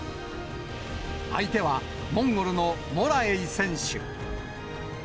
相手はモンゴルのモラエイ選手。